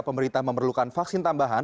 dan pemerintah memerlukan vaksin tambahan